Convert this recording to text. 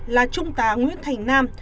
là trung tá nguyễn thành nam